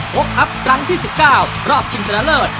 โปรดคลับครั้งที่๑๙รอบชินชะนาเลิศ